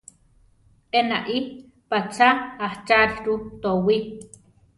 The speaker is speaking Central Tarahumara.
Enaí patzá acháriru towí.